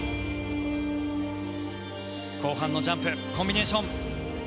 後半のジャンプコンビネーション。